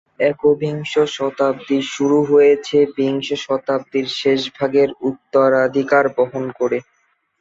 একবিংশ শতাব্দী শুরু হয়েছে বিংশ শতাব্দীর শেষ ভাগের উত্তরাধিকার বহন করে।